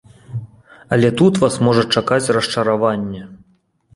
Але тут вас можа чакаць расчараванне.